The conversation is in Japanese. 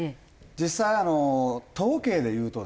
実際統計でいうとですね